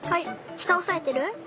したおさえてる？